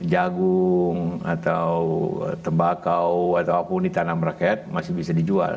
jagung atau tembakau atau apapun ditanam rakyat masih bisa dijual